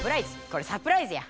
これサプライズや。